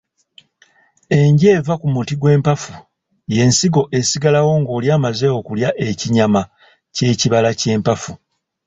Enje eva ku muti gw'empafu y'ensigo esigalawo ng'oli amaze okulya ekinyama ky'ekibala ky'empafu.